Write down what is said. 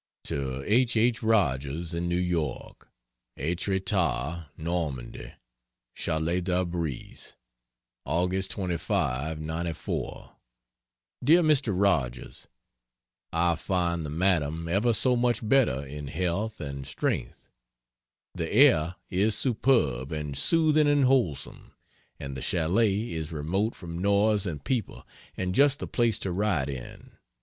To H. H. Rogers, in New York: ETRETAT, (NORMANDIE) CHALET DES ABRIS Aug. 25, '94. DEAR MR. ROGERS, I find the Madam ever so much better in health and strength. The air is superb and soothing and wholesome, and the Chalet is remote from noise and people, and just the place to write in.